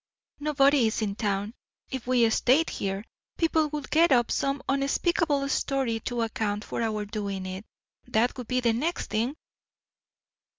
Nobody is in town. If we stayed here, people would get up some unspeakable story to account for our doing it; that would be the next thing."